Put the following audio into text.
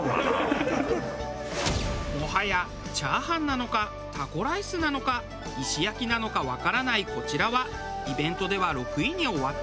もはやチャーハンなのかタコライスなのか石焼なのかわからないこちらはイベントでは６位に終わった。